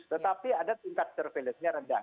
tetapi ada tingkat surveillance nya rendah